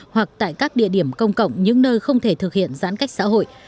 hoặc tại các địa điểm công cộng những nơi không thể thực hiện giãn cách xã hội